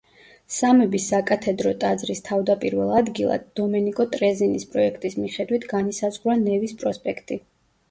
სამების საკათედრო ტაძრის თავდაპირველ ადგილად, დომენიკო ტრეზინის პროექტის მიხედვით განისაზღვრა ნევის პროსპექტი.